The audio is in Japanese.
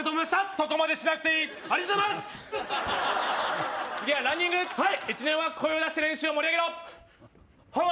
そこまでしなくていいありがとうございます次はランニング１年は声を出して練習を盛り上げろほー！